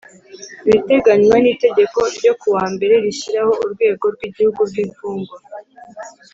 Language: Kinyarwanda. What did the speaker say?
ibiteganywa n itegeko ryo ku wa wambere rishyiraho urwego rw igihugu rw imfungwa